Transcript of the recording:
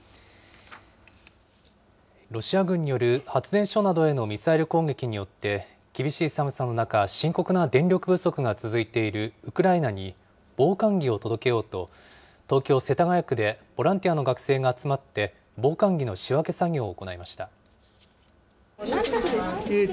ロシア軍による発電所などへのミサイル攻撃によって、厳しい寒さの中、深刻な電力不足が続いているウクライナに、防寒着を届けようと、東京・世田谷区でボランティアの学生が集まって、防寒着の仕分け作業を行いました。